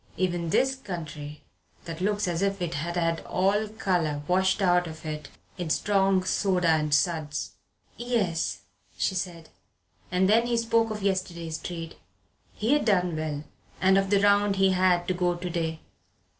Even this country that looks like as if it had had all the colour washed out of it in strong soda and suds." "Yes," she said. And then he spoke of yesterday's trade he had done well; and of the round he had to go to day.